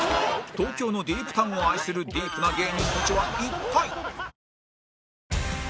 東京のディープタウンを愛するディープな芸人たちは一体？